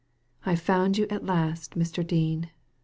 " I've found you at last, Mr. Dean.